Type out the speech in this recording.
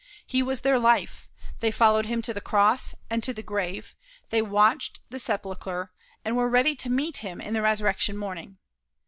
He was their life; they followed him to the cross and to the grave; they watched the sepulchre, and were ready to meet him in the resurrection morning.